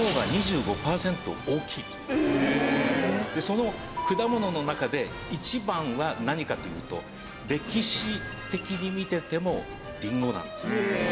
その果物の中で一番は何かというと歴史的に見ててもりんごなんです。